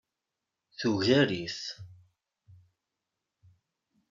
Tugar-it.